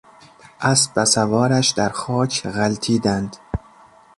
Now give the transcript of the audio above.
اسب و سوارش در خاک در غلتیدند.